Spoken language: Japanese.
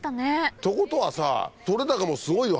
ってことはさ取れ高もすごいの？